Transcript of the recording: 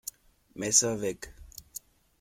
Messer weg!